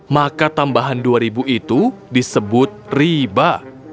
maka tambahan dua ribu itu disebut riba